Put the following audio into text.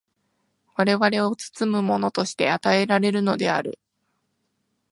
我々を包むものとして与えられるのである。